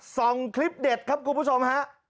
ส่งคลิปเด็ดครับคุณผู้ชมฮะ